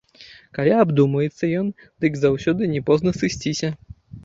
Калі абдумаецца ён, дык заўсёды не позна сысціся.